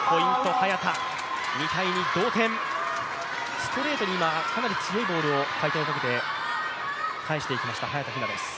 ストレートに今、かなり強いボールを回転をかけて返していきました早田ひなです。